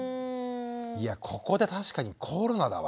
いやここで確かにコロナだわ。